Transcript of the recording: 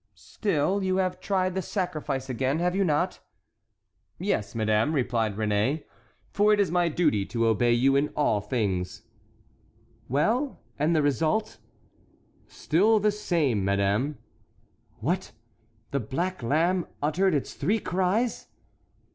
"Still, you have tried the sacrifice again, have you not?" "Yes, madame," replied Réné; "for it is my duty to obey you in all things." "Well—and the result?" "Still the same, madame." "What, the black lamb uttered its three cries?"